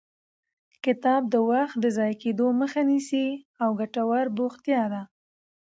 کتاب د وخت د ضایع کېدو مخه نیسي او ګټور بوختیا ده.